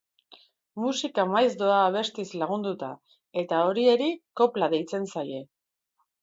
Musika maiz doa abestiz lagunduta, eta horiei kopla deitzen zaie.